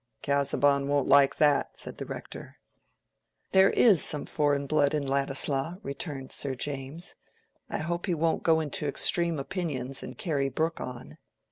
"Casaubon won't like that," said the Rector. "There is some foreign blood in Ladislaw," returned Sir James. "I hope he won't go into extreme opinions and carry Brooke on."